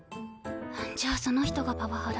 じゃあその人がパワハラ。